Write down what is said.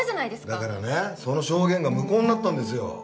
だからねその証言が無効になったんですよ。